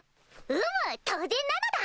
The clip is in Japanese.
うむ当然なのだ！